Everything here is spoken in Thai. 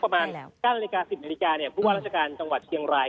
ประมาณ๙นาที๑๐นาทีเนี่ยพวกว่ารัฐกาลจังหวัดเชียงราย